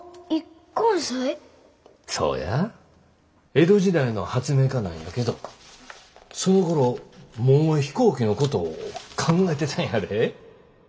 江戸時代の発明家なんやけどそのころもう飛行機のことを考えてたんやで。